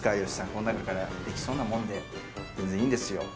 こん中からできそうなもんで全然いいんですよ